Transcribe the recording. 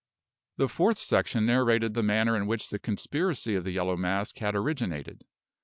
The fourth section narrated the manner in which the conspiracy of the Yellow Mask had originated.